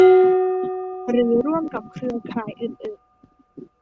หรือร่วมกับเครือข่ายอื่นอื่น